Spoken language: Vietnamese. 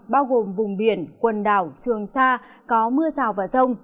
bao gồm vùng biển quần đảo trường sa có mưa rào và rông